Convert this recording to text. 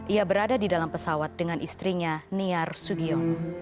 ia berada di dalam pesawat dengan istrinya niar sugio